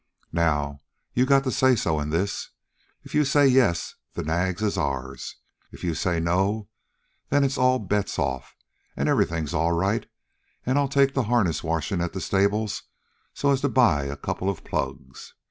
"Now, you got the say so in this. If you say yes, the nags is ourn. If you say no, then it's all bets off, an' everything all right, an' I'll take to harness washin' at the stable so as to buy a couple of plugs.